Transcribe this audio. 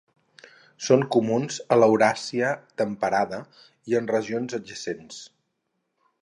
Són comuns a l'Euràsia temperada i en regions adjacents.